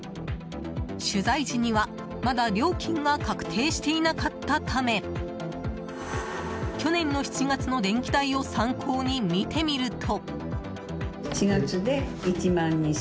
取材時には、まだ料金が確定していなかったため去年の７月の電気代を参考に見てみると。